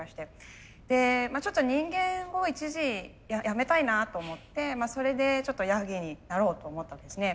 でちょっと人間を一時やめたいなと思ってそれでちょっとヤギになろうと思ったんですね。